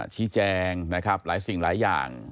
ชี้แจงนะครับหลายสิ่งหลายอย่าง